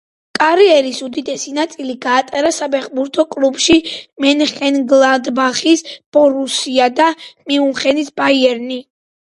კარიერის უდიდესი ნაწილი გაატარა საფეხბურთო კლუბებში მენხენგლადბახის „ბორუსია“ და მიუნხენის „ბაიერნი“.